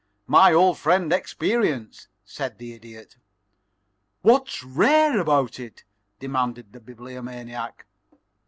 "My old friend, Experience," said the Idiot. "What's rare about it?" demanded the Bibliomaniac.